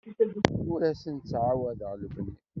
Ur asen-ttɛawadeɣ lebni.